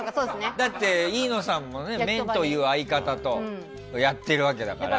だって、飯野さんも麺という相方とやっているわけだから。